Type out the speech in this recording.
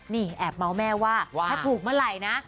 นี่แอบเมาส์แม่ว่าถ้าถูกเมื่อไหร่นะ